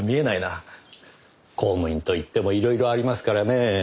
公務員といってもいろいろありますからねぇ。